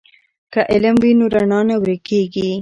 که علم وي نو رڼا نه ورکیږي.